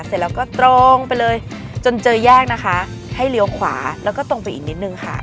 เสร็จแล้วก็ตรงไปเลยจนเจอแยกนะคะให้เลี้ยวขวาแล้วก็ตรงไปอีกนิดนึงค่ะ